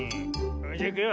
それじゃいくよ。